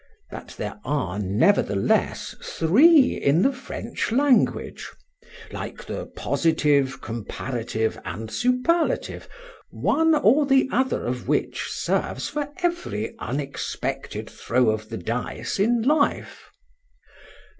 that there are, nevertheless, three in the French language: like the positive, comparative, and superlative, one or the other of which serves for every unexpected throw of the dice in life.